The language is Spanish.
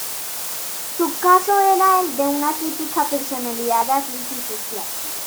Su caso era el de una típica personalidad antisocial.